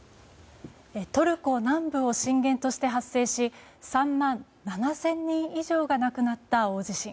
トルコ南部を震源として発生し３万７０００人以上が亡くなった大地震。